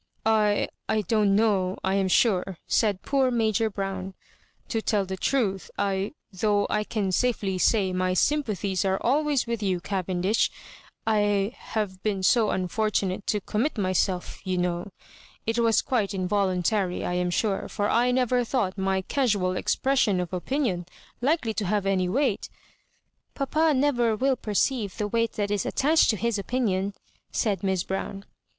"I — I don't know, I am sure," said poor Major Brown. " To tell the truth, I— though I can safely say my sympathies are always with you. Cavendish — 1 — ^have been so unfortunate as to commit myself, you know. It was quite in voluntary, I am sure, for I never thought my casual expression of opinion likely to have any weight "" Papa never will perceive the weight that is attached to his opinion," said Miss Brown.